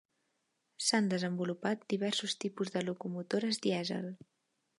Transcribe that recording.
S'han desenvolupat diversos tipus de locomotores dièsel.